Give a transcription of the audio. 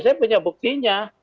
saya punya buktinya